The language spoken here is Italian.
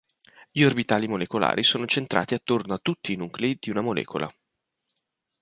Gli orbitali molecolari sono centrati attorno a tutti i nuclei di una molecola.